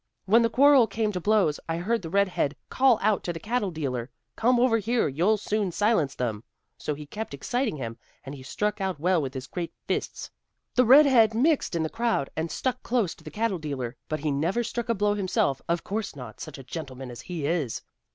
When the quarrel came to blows, I heard the red head call out to the cattle dealer, 'Come over here, you'll soon silence them,' So he kept exciting him, and he struck out well with his great fists. The red head mixed in the crowd, and stuck close to the cattle dealer, but he never struck a blow himself; of course not, such a gentleman as he is!